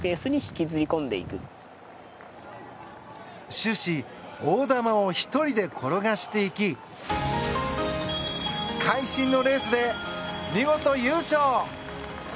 終始大玉を１人で転がしていき会心のレースで見事優勝！